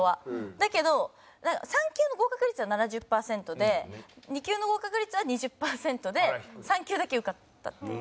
だけど３級の合格率は７０パーセントで２級の合格率は２０パーセントで３級だけ受かったっていう。